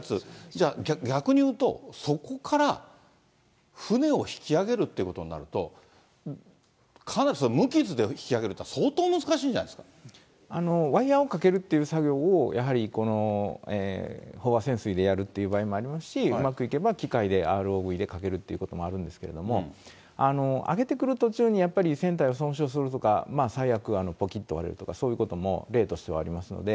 じゃあ、逆に言うと、そこから船を引き揚げるってことになると、かなりそれは無傷で引き揚げるってったら相当難しいんじゃないでワイヤをかけるっていう作業を、やはり飽和潜水でやるという場合もありますし、うまくいけば機械で、ＲＯＶでかけるということもあるんですけれども、揚げてくる途中にやっぱり船体損傷をするとか、最悪ぽきっと折れるとか、そういうことも例としてはありますので。